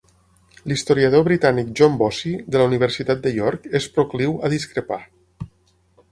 L'historiador britànic John Bossy, de la Universitat de York, és procliu a discrepar.